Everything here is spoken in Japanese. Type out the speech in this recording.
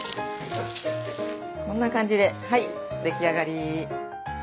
こんな感じではい出来上がり。